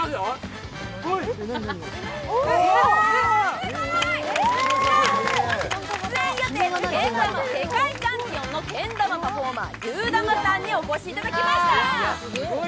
すごい！けん玉世界チャンピオンのけん玉パフォーマー、ゆーだまさんにお越しいただきました。